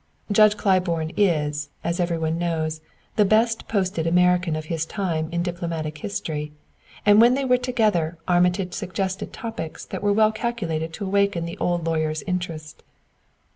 Judge Claiborne is, as every one knows, the best posted American of his time in diplomatic history; and when they were together Armitage suggested topics that were well calculated to awaken the old lawyer's interest.